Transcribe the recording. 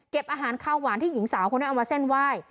อาหารข้าวหวานที่หญิงสาวคนนี้เอามาเส้นไหว้